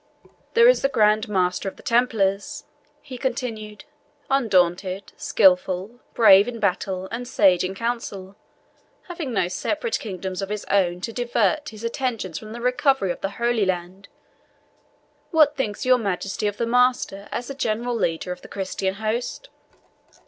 "There is the Grand Master of the Templars," he continued, "undaunted, skilful, brave in battle, and sage in council, having no separate kingdoms of his own to divert his exertions from the recovery of the Holy Land what thinks your Majesty of the Master as a general leader of the Christian host?"